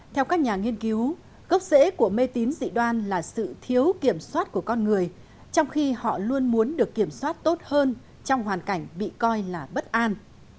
theo các nhà nghiên cứu gốc rễ của mê tín dị đoan là sự thiếu kiểm soát của con người trong khi họ luôn muốn được kiểm soát tốt hơn trong hoàn cảnh bị coi là bất an